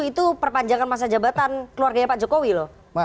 itu perpanjangan masa jabatan keluarganya pak jokowi loh